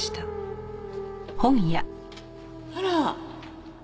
あら！